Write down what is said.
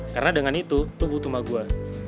karena dengan itu lo butuh sama gue